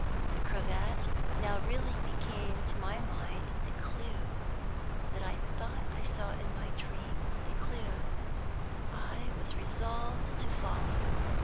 The cravat now really became, to my mind, the clew that I thought I saw in my dream the clew that I was resolved to follow.